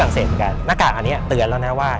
หน้ากากอันนี้เตือนแล้วนะว่า